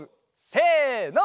せの！